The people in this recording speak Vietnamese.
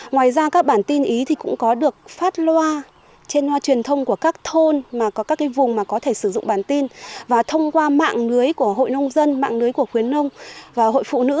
ngoài ra các bản tin ý thì cũng có được phát loa trên loa truyền thông của các thôn mà có các cái vùng mà có thể sử dụng bản tin và thông qua mạng lưới của hội nông dân mạng lưới của khuyến nông và hội phụ nữ